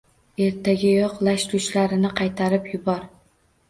Ertagayoq lash-lushlarini qaytarib yubor